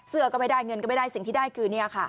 เสื้อก็ไม่ได้เงินก็ไม่ได้สิ่งที่ได้คือเนี่ยค่ะ